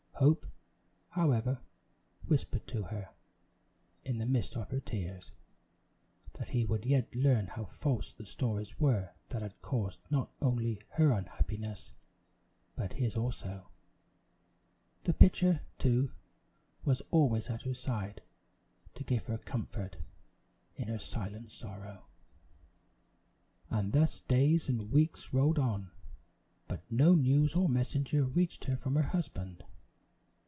Hope, however, whispered to her, in the midst of her tears, that he would yet learn how false the stories were that had caused not only her unhappiness, but his also. The pitcher, too, was always at her side to give her comfort in her silent sorrow. And thus days and weeks rolled on, but no news or messenger reached her from her husband.